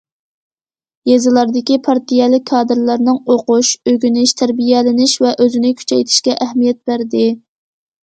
يېزىلاردىكى پارتىيەلىك كادىرلارنىڭ ئوقۇش، ئۆگىنىش، تەربىيەلىنىش ۋە ئۆزىنى كۈچەيتىشىگە ئەھمىيەت بەردى.